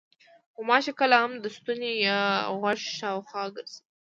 غوماشې کله هم د ستوني یا غوږ شاوخوا ګرځي.